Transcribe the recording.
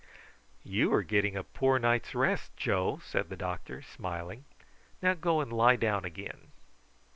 "You are getting a poor night's rest, Joe," said the doctor smiling. "Now go and lie down again."